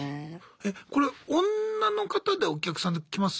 えこれ女の方でお客さんって来ます？